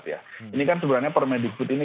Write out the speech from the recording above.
ini kan sebenarnya permedikbud ini